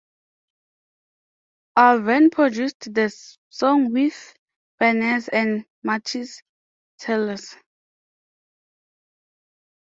Ulven produced the song with Finneas and Matias Tellez.